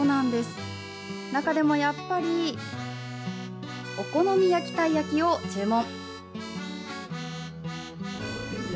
中でもやっぱりお好み焼きたい焼きを注文。